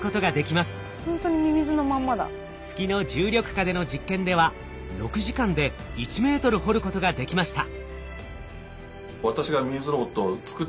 月の重力下での実験では６時間で１メートル掘ることができました。